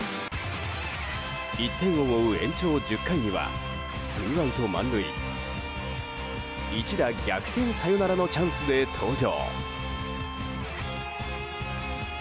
１点を追う延長１０回にはツーアウト満塁一打逆転サヨナラのチャンスで登場。